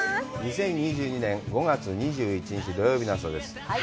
２０２２年５月２１日、土曜日の朝です。